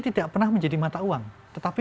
tidak pernah menjadi mata uang tetapi